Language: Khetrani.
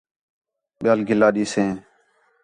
ٻِیال گِلہ ݙینیس